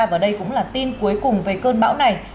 và đây cũng là tin cuối cùng về cơn bão này